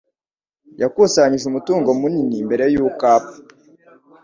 Yakusanyije umutungo munini mbere yuko apfa.